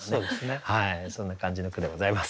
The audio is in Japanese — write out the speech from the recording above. そんな感じの句でございます。